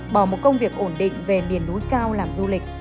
bỏ một công việc ổn định về miền núi cao làm du lịch